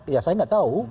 ya saya tidak tahu